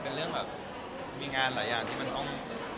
เป็นเรื่องแบบมีงานหลายอย่างที่มันต้อง